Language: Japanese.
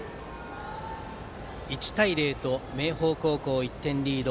１対０と明豊高校、１点リード。